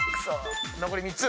残り３つ。